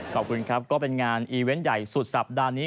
ขอบคุณครับก็เป็นงานอีเวนต์ใหญ่สุดสัปดาห์นี้